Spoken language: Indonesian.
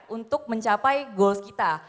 untuk mencapai goals kita